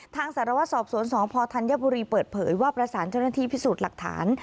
สารวัตรสอบสวนสพธัญบุรีเปิดเผยว่าประสานเจ้าหน้าที่พิสูจน์หลักฐาน